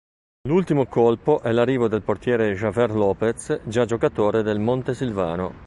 L'ultimo colpo è l'arrivo del portiere Javier Lopez già giocatore del Montesilvano.